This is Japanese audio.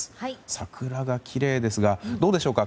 桜がきれいですがどうでしょうか。